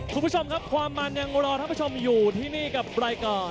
คุณผู้ชมครับความมันยังรอท่านผู้ชมอยู่ที่นี่กับรายการ